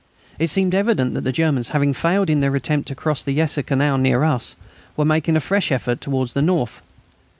It seemed evident that the Germans, having failed in their attempt to cross the Yser canal near us, were making a fresh effort further to the north.